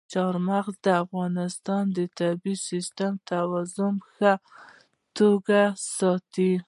چار مغز د افغانستان د طبعي سیسټم توازن په ښه توګه ساتي.